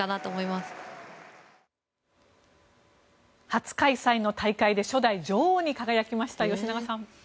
初開催の大会で初代女王に輝きました吉永さん。